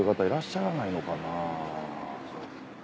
いらっしゃらないのかな。